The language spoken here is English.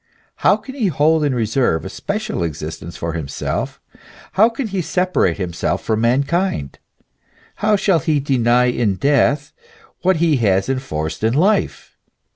How can he hold in reserve a special existence for himself, how can he separate himself from mankind ? How shall he deny in death what he has enforced in life